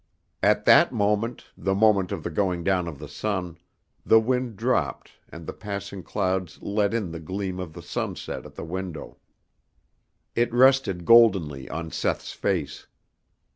At that moment, the moment of the going down of the sun, the wind dropped and the passing clouds let in the gleam of the sunset at the window. It rested goldenly on Seth's face.